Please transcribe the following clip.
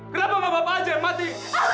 kenapa bapak bapak aja yang mati